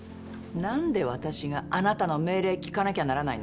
何で私があなたの命令聞かなきゃならないの。